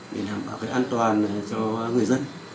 để làm bảo an toàn cho các hộ gia đình